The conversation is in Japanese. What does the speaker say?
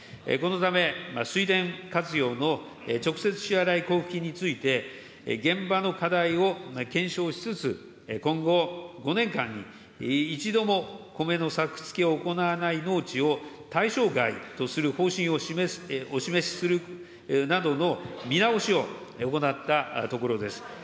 このため、水田活用の直接支払い交付金について、現場の課題を検証しつつ、今後５年間に一度もコメの作付を行わない農地を対象外とする方針を示す、お示しするなどの見直しを行ったところです。